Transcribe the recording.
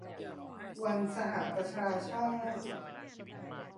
วันสหประชาชาติ